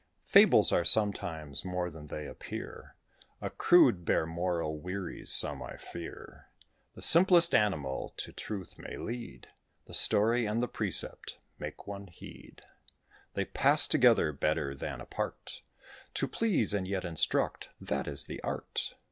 Fables are sometimes more than they appear: A crude, bare moral wearies some, I fear. The simplest animal to truth may lead; The story and the precept make one heed: They pass together better than apart: To please, and yet instruct, that is the art.